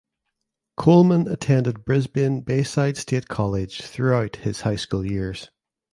Coleman attended Brisbane Bayside State College throughout his high school years.